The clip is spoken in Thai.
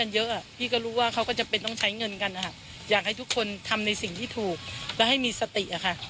อยากให้ทุกคนทำในสิ่งที่ถูกและให้มีสติ